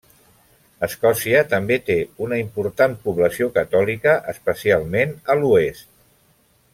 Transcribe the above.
Escòcia també té una important població catòlica, especialment a l'oest.